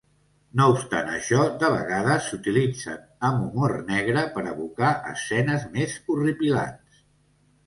No obstant això, de vegades s'utilitzen, amb humor negre, per evocar escenes més horripilants.